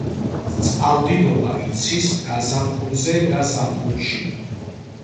წყალდიდობა იცის გაზაფხულზე და ზაფხულში.